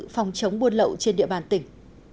phòng chống buôn lậu trên địa bàn tỉnh